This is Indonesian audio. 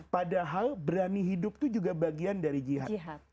padahal berani hidup itu juga bagian dari jihad